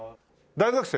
大学生？